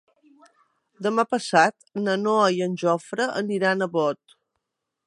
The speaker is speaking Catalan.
Demà passat na Noa i en Jofre aniran a Bot.